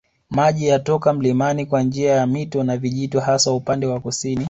Maji yatoka mlimani kwa njia ya mito na vijito hasa upande wa kusini